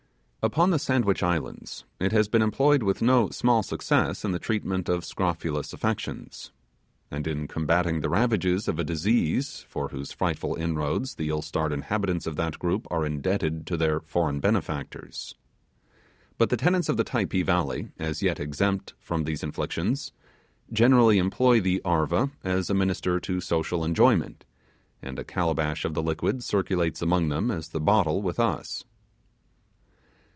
Upon the Sandwich Islands it has been employed with no small success in the treatment of scrofulous affections, and in combating the ravages of a disease for whose frightful inroads the ill starred inhabitants of that group are indebted to their foreign benefactors. But the tenants of the Typee valley, as yet exempt from these inflictions, generally employ the 'arva' as a minister to social enjoyment, and a calabash of the liquid circulates among them as the bottle with us.